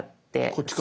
こっちか。